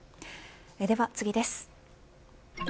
では次です。